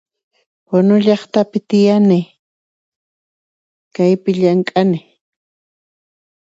Punullaqtapi tiyani, kaypi llank'ani